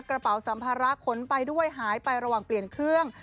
กระเป๋าสัมภาระขนไปด้วยหายไประหว่างเปลี่ยนเครื่อง